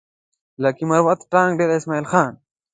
لکي مروت ټانک ډېره اسماعيل خان